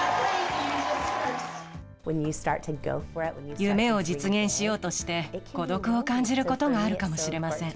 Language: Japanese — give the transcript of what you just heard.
夢を実現しようとして、孤独を感じることがあるかもしれません。